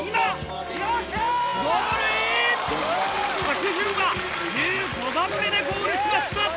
着順は１５番目でゴールしました。